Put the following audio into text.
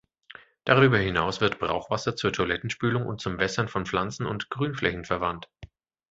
Darüber hinaus wird Brauchwasser zur Toilettenspülung und zum Wässern von Pflanzen und Grünflächen verwandt.